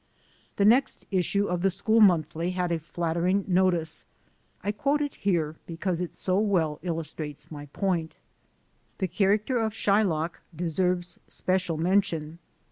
The next issue of the school monthly had a flat tering notice. I quote it here, because it so well illustrates my point: "The character of Shylock deserves special men tion.